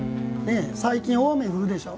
最近、大雨降るでしょ。